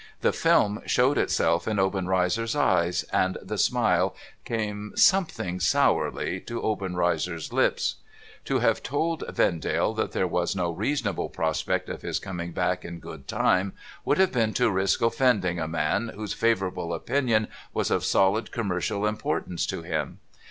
The film showed itself in Oben reizer's eyes, and the smile came something sourly to Obenreizer's lips. To have told Vendale that there was no reasonable prospect of his coming back in good time, would have been to risk offending a man whose favourable opinion was of solid commercial importance to him.